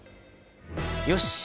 よし。